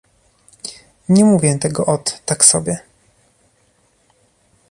Nie mówię tego ot, tak sobie